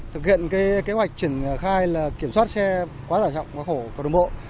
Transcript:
thực hiện kế hoạch triển khai kiểm soát xe quá tải trọng quá khổ quá đồn bộ